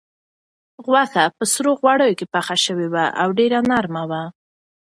غوښه په سرو غوړیو کې پخه شوې وه او ډېره نرمه وه.